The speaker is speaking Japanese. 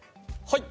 はい！